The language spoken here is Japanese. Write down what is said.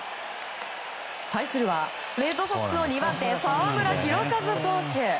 対するはレッドソックスの２番手、澤村拓一投手。